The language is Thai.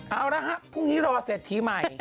เอาละครับพรุ่งนี้รอเศรษฐีใหม่